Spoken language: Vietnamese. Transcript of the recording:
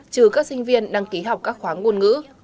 trừ các sinh viên đang ký học các khoáng ngôn ngữ